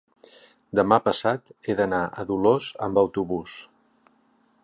Demà passat he d'anar a Dolors amb autobús.